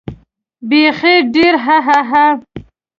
بېخي ډېر هههه.